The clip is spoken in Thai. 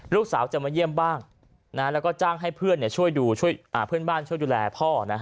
ลูกสาวจะมาเยี่ยมบ้างแล้วก็จ้างให้เพื่อนช่วยเพื่อนบ้านช่วยดูแลพ่อ